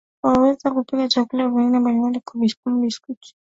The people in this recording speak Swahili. Waweza kupika vyakula vingine mbalimbali kama biskuti